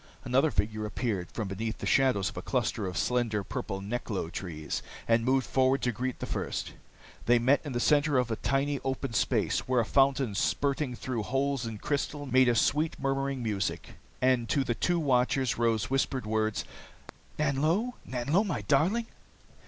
Another figure appeared from beneath the shadows of a cluster of slender, purple neklo trees and moved forward to greet the first. They met in the center of a tiny open space, where a fountain spurting through holes in crystal made a sweet murmuring music. And to the two watchers rose whispered words "Nanlo! Nanlo, my darling!"